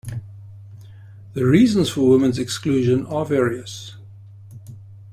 The reasons for women's exclusion are various.